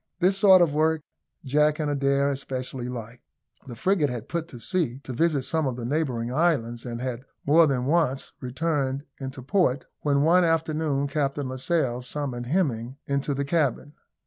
This sort of work Jack and Adair especially liked. The frigate had put to sea to visit some of the neighbouring islands, and had more than once returned into port; when one forenoon Captain Lascelles summoned Hemming into the cabin.